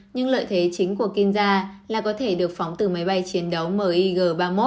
nhưng lợi thế chính của kinza là có thể được phóng từ máy bay chiến đấu mig ba mươi một